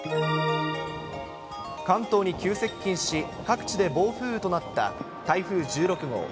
関東に急接近し、各地で暴風雨となった台風１６号。